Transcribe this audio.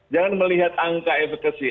jangan melihat angka efekasi